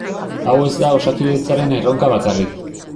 Hau ez da Osakidetzaren erronka bakarrik.